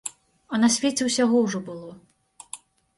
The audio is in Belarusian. А на свеце ўсяго ўжо было.